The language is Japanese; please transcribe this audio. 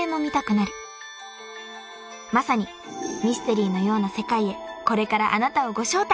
［まさにミステリーのような世界へこれからあなたをご招待！］